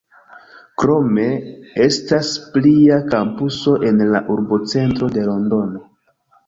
Krome, estas plia kampuso en la urbocentro de Londono.